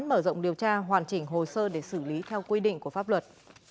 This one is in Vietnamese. mở rộng điều tra hoàn chỉnh hồ sơ để xử lý theo quy định của pháp luật